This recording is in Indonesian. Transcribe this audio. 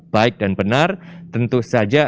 baik dan benar tentu saja